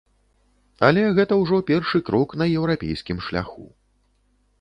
Але гэта ўжо першы крок на еўрапейскім шляху.